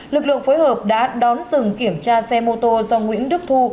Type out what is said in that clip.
lực lượng phối hợp đã đón dừng kiểm tra xe mô tô do nguyễn đức thu